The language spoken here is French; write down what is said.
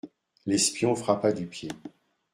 L'espion frappa du pied.